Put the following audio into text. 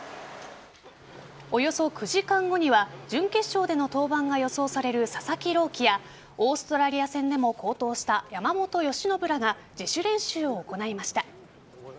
およそ９時間後には準決勝での登板が予想される佐々木朗希やオーストラリア戦でも好投した山本由伸らが自主練習を行いました。